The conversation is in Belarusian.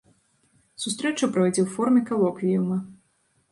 Сустрэча пройдзе ў форме калоквіюма.